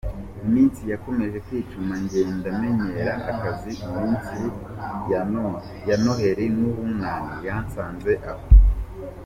Iminsi yakomeje kwicuma ngenda menyera akazi, iminsi ya noheri n’ubunani yansanze aho.